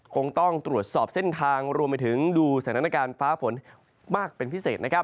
คงต้องตรวจสอบเส้นทางรวมไปถึงดูสถานการณ์ฟ้าฝนมากเป็นพิเศษนะครับ